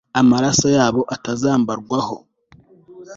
amaraso yabo atazambarwaho